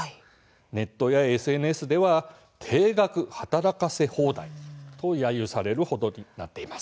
ネットやＳＮＳでは定額働かせ放題とやゆされるほどになっています。